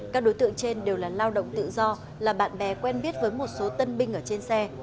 các đối tượng trên đều là lao động tự do là bạn bè quen biết với một số tân binh ở trên xe